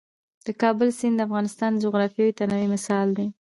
د کابل سیند د افغانستان د جغرافیوي تنوع مثال دی.